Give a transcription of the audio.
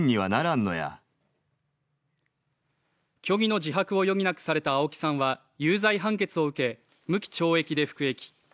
虚偽の自白を余儀なくされた青木さんは有罪判決を受け、無期懲役で服役。